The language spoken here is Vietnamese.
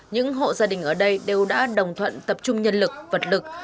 những hộ gia đình ở đây đều đã đồng thuận tập trung nhân lực vật lực